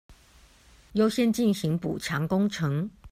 優先進行補強工程